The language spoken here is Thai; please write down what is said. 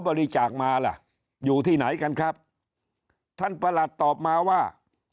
บริจาคมาล่ะอยู่ที่ไหนกันครับท่านประหลัดตอบมาว่า